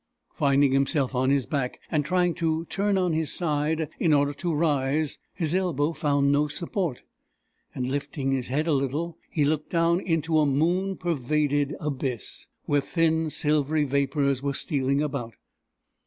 Finding himself on his back, and trying to turn on his side in order to rise, his elbow found no support, and lifting his head a little, he looked down into a moon pervaded abyss, where thin silvery vapours were stealing about.